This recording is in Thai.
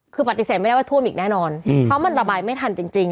คือปฏิเสธไม่ได้ว่าท่วมอีกแน่นอนเพราะมันระบายไม่ทันจริง